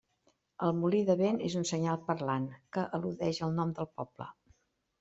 El molí de vent és un senyal parlant que al·ludeix al nom del poble.